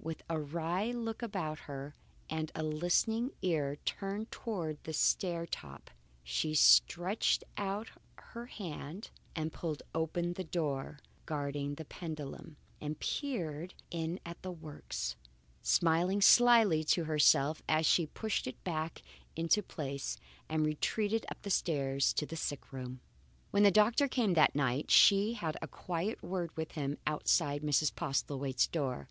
With a wary look about her and a listening ear turned towards the stair top, she stretched out her hand and pulled open the door guarding the pendulum, and peered in at the works, smiling slyly to herself as she pushed it back into place and retreated upstairs to the sick room. When the doctor came that night she had a quiet word with him outside Mrs. Postlethwaite's door.